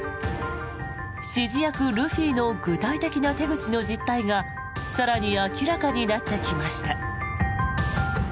指示役、ルフィの具体的な手口の実態が更に明らかになってきました。